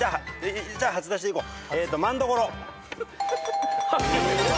じゃあ初出しでいこう。